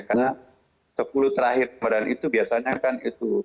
karena sepuluh terakhir kemudian itu biasanya kan itu